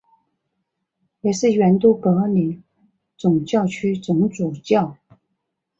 也是原都柏林总教区总主教。